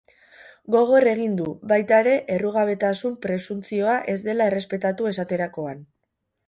Gogor egin du, baita ere, errugabetasun presuntzioa ez dela errespetatu esaterakoan.